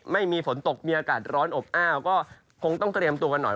ไม่มีฝนตกมีอากาศร้อนอบอ้าวก็คงต้องเตรียมตัวกันหน่อย